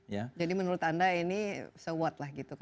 jadi menurut anda ini se what